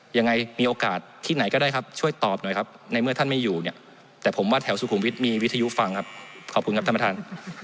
ยังไงมีโอกาสที่ไหนก็ได้ครับช่วยตอบหน่อยครับในเมื่อท่านไม่อยู่เนี่ยแต่ผมว่าแถวสุขุมวิทย์มีวิทยุฟังครับขอบคุณครับท่านประธาน